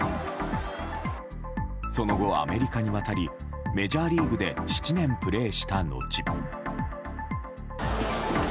その後、アメリカに渡りメジャーリーグで７年プレーした後。